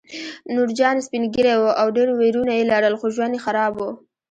نورجان سپین ږیری و او ډېر ورېرونه یې لرل خو ژوند یې خراب و